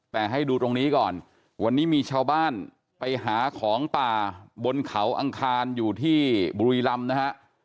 แต่ให้ดูตรงนี้ก่อนวันนี้มีชาวบ้านไปหาของป่าบนเขาอังคารอยู่ที่บุรีรำนะฮะ